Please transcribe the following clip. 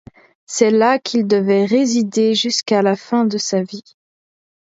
C'est là qu'il devait résider jusqu'à la fin de sa vie.